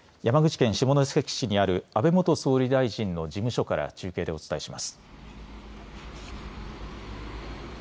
では、山口県下関市にある安倍元総理大臣の事務所から中継でお伝えします。